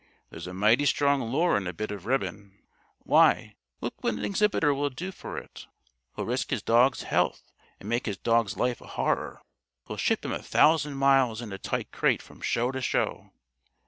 There's a mighty strong lure in a bit of ribbon. Why, look what an exhibitor will do for it! He'll risk his dog's health and make his dog's life a horror. He'll ship him a thousand miles in a tight crate from Show to Show.